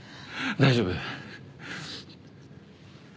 大丈夫。